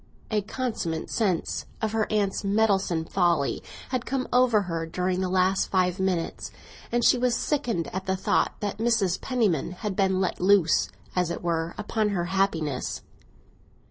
A consummate sense of her aunt's meddlesome folly had come over her during the last five minutes, and she was sickened at the thought that Mrs. Penniman had been let loose, as it were, upon her happiness.